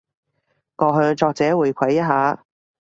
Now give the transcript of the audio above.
我向作者回饋一下